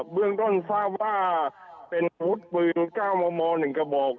เบื้องต้นทราบว่าเป็นอาวุธปืน๙มม๑กระบอก